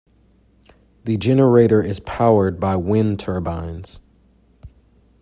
The generator is powered by wind turbines.